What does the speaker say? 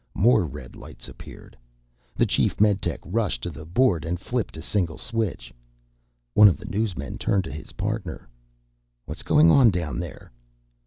More red lights appeared. The chief meditech rushed to the board and flipped a single switch. One of the newsmen turned to his partner. "What's going on down there?"